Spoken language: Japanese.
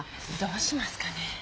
どうしますかね。